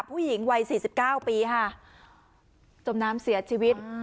ผู้หญิงวัย๔๙ปีค่ะจมน้ำเสียชีวิต